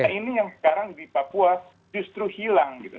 nah ini yang sekarang di papua justru sudah terjadi